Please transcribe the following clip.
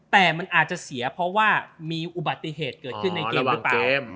แต่มันอาจจะเสียเพราะว่ามีอุบัติเหตุเกิดขึ้นในเกมหรือเปล่า